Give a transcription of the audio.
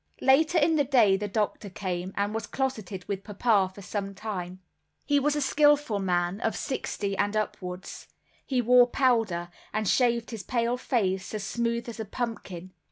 Later in the day the doctor came, and was closeted with papa for some time. He was a skilful man, of sixty and upwards, he wore powder, and shaved his pale face as smooth as a pumpkin.